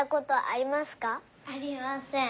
ありません。